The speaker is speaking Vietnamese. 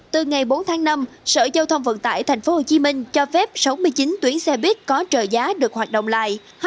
từ ngày bốn tháng năm sở giao thông vận tải tp hcm cho phép sáu mươi chín tuyến xe buýt có trợ giá được hoạt động lại